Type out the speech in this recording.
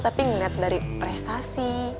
tapi ngeliat dari prestasi